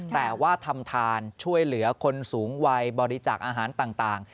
แต่ว่าทำทานช่วยเหลือคนสูงวัยบริจาคอาหารต่าง